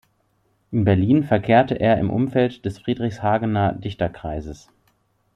In Berlin verkehrte er im Umfeld des Friedrichshagener Dichterkreises.